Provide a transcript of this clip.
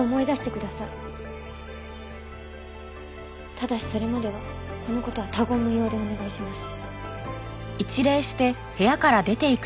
ただしそれまではこの事は他言無用でお願いします。